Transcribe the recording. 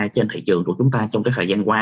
trên thị trường của chúng ta trong cái thời gian qua